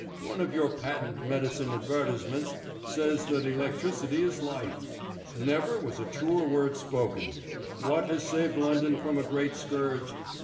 One of your patent medicine advertisements says that electricity is life. Never was a truer word spoken. What has saved London from a great scourge?